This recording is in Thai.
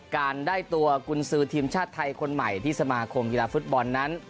การได้ตัวกุญสือทีมชาติไทยคนใหม่ที่สมาคมกีฬาฟุตบอลนั้น